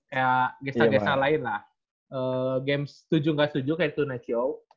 kayak gesa gesa lain lah game setuju gak setuju kayak dua next show